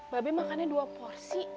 babe makannya dua porsi